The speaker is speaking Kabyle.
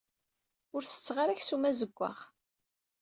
Ur setteɣ ara aksum azewwaɣ.